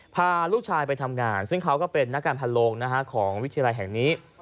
พาลูกชายไปทำงานซึ่งเขาก็เป็นนักการพันโลงของวิทยาลัยแห่งนี้